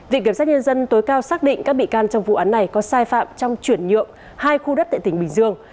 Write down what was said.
viện kiểm sát nhân dân tối cao xác định các bị can trong vụ án này có sai phạm trong chuyển nhượng hai khu đất tại tỉnh bình dương